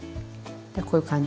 こういう感じ。